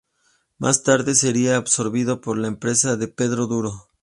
Más tarde sería absorbida por la empresa de Pedro Duro.